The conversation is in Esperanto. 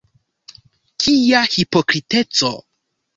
Kia hipokriteco!